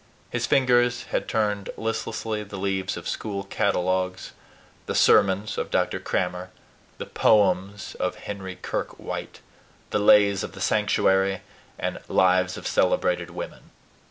His fingers had turned listlessly the leaves of school catalogues, the SERMONS of Dr. Crammer, the POEMS of Henry Kirke White, the LAYS OF THE SANCTUARY and LIVES OF CELEBRATED WOMEN.